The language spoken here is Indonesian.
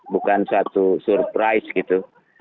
bukan satu surprise gitu